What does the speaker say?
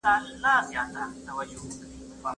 ښوونځي ته ولاړ سه.